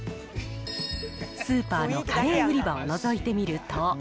スーパーのカレー売り場をのぞいてみると。